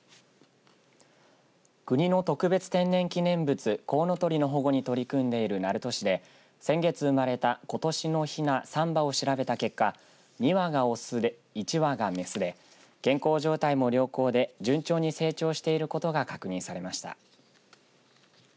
国の特別天然記念物コウノトリの保護に取り組んでいる鳴門市で先月生まれたことしのひな３羽を調べた結果２羽が雄で、１羽が雌で健康状態も良好で順調に成長していることが確認されました。